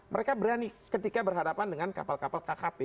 mereka berani ketika berhadapan dengan kapal kapal kkp